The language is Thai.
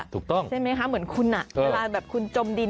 เสร็จไหมคะเหมือนคุณน่ะเวลาแบบคุณจมดิน